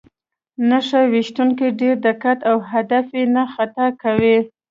نښه ویشتونکی ډېر دقیق و او هدف یې نه خطا کاوه